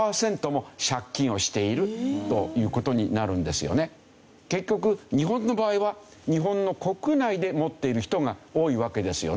つまり結局日本の場合は日本の国内で持っている人が多いわけですよね。